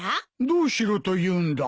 どうしろというんだ？